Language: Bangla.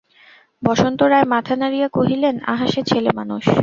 বসন্ত রায় মাথা নাড়িয়া কহিলেন, আহা সে ছেলেমানুষ।